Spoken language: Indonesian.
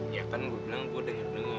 ya kan gue bilang gue denger denger